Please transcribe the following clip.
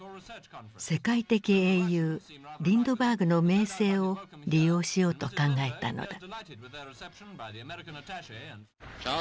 世界的英雄リンドバーグの名声を利用しようと考えたのだ。